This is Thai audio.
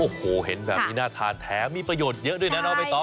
โอ้โหเห็นแบบมีหน้าทานแท้มีประโยชน์เยอะด้วยนะเนาะไปต้อง